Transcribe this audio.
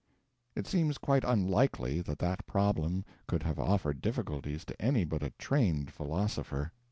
It seems quite unlikely that that problem could have offered difficulties to any but a trained philosopher.